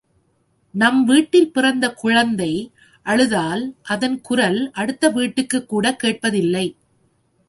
நம் வீட்டில் பிறந்த குழந்தை அழுதால் அதன் குரல் அடுத்த வீட்டுக்குக்கூடக் கேட்பதில்லை.